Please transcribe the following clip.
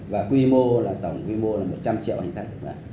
và tổng quy mô là một trăm linh triệu ảnh khách